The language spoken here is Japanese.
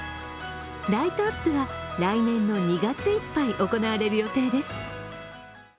ライトアップは来年の２月いっぱい行われる予定です。